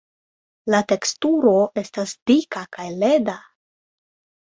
La teksturo estas dika kaj leda.